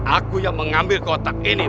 aku yang mengambil kotak ini